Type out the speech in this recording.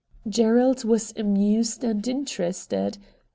Gerald was amused and interested.